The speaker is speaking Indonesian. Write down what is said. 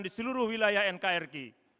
di seluruh wilayah nkrk